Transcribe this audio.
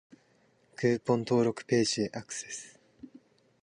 クーポン登録ページへアクセス